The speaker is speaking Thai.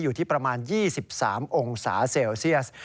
อยู่ที่ประมาณ๒๓องศาเซลเซียส